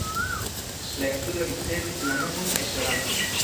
La insulo ricevis la nomon "Esperanto".